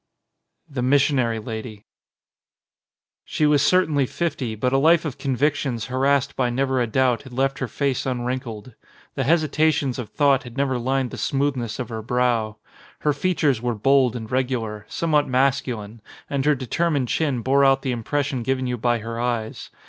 158 XXXIX THE MISSIONARY LADY SHE was certainly fifty, but a life of convic tions harassed by never a doubt had left her face unwrinkled. The hesitations of thought had never lined the smoothness of her brow. Her features were bold and regular, somewhat masculine, and her determined chin bore out the impression given you by her eyes.